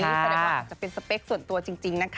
แสดงว่าอาจจะเป็นสเปคส่วนตัวจริงนะคะ